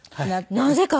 なぜか。